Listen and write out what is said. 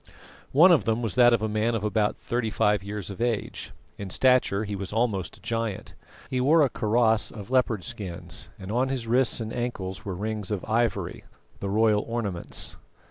One of them was that of a man of about thirty five years of age. In stature he was almost a giant. He wore a kaross of leopard skins, and on his wrists and ankles were rings of ivory, the royal ornaments.